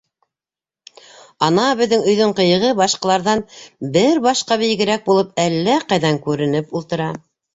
Ана, беҙҙең өйҙөң ҡыйығы башҡаларҙан бер башҡа бейегерәк булып әллә ҡайҙан күренеп ултыра.